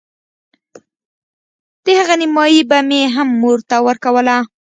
د هغې نيمايي به مې هم مور ته ورکوله.